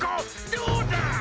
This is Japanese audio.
どうだ！